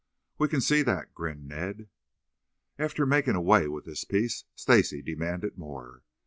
"We can see that," grinned Ned. After making away with this piece, Stacy demanded more.